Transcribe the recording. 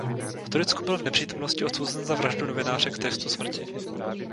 V Turecku byl v nepřítomnosti odsouzen za vraždu novináře k trestu smrti.